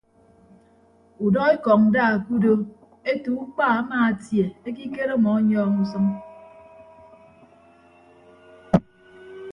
Udọ ekọñ nda ke udo ete ukpa amaatie ekikere ọmọ ọnyọọñ usʌñ.